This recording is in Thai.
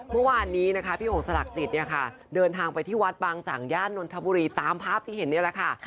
เมื่อวานนี้นะคะพี่โอ่งสลักจิตเนี่ยค่ะเดินทางไปที่วัดบางจังย่านนทบุรีตามภาพที่เห็นนี่แหละค่ะ